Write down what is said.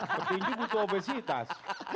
ketinggi butuh obesitas